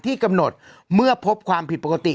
ที่กำหนดเมื่อพบความผิดปกติ